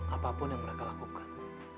apapun yang mereka lakukan